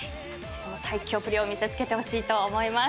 最強っぷりを見せつけてほしいと思います。